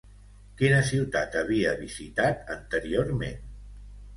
Quina ciutat havia visitat anteriorment?